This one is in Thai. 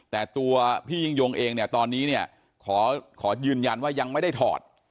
แต่ตัวพี่ยิ่งยงเองเนี่ยตอนนี้เนี่ยขอยืนยันว่ายังไม่ได้ถอด